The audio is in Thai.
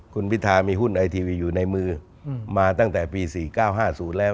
คุณพิธามีหุ้นไอทีวีอยู่ในมือมาตั้งแต่ปี๔๙๕๐แล้ว